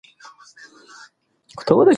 پاکي د انسان وقار ساتي.